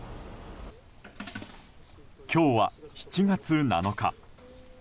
今日は７月７日。